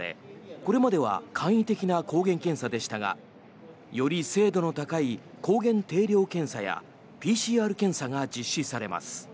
これまでは簡易的な抗原検査でしたがより精度の高い抗原定量検査やＰＣＲ検査が実施されます。